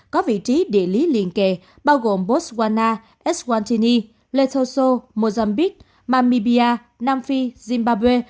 có vị trí địa lý liên kệ bao gồm botswana eswatini letosso mozambique mamibia nam phi zimbabwe